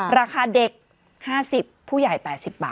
ราคาเด็ก๕๐ผู้ใหญ่๘๐บาท